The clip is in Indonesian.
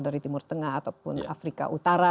dari timur tengah ataupun afrika utara